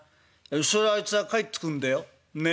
そらあいつは帰ってくんだよねっ。